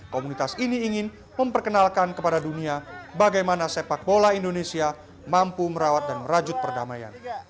komunitas ini ingin memperkenalkan kepada dunia bagaimana sepak bola indonesia mampu merawat dan merajut perdamaian